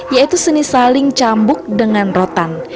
yaitu seni saling cambuk dengan rotan